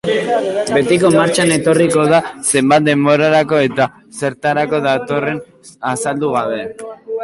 Betiko martxan etorriko da, zenbat denborarako eta zertarako datorren azaldu gabe.